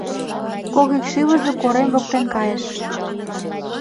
Кок икшывыже корем воктен кайыш.